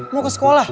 mau ke sekolah